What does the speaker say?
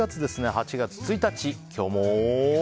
８月１日、今日も。